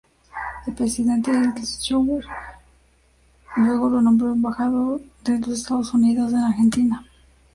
El presidente Eisenhower luego lo nombró embajador de los Estados Unidos en Argentina.